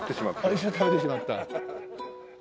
エサ食べてしまった。